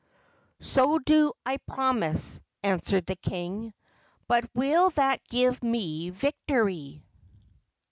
"So do I promise," answered the king; "but will that give me victory?"